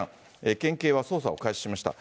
県警は捜査を開始しました。